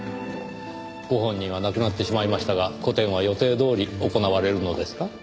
ご本人は亡くなってしまいましたが個展は予定どおり行われるのですか？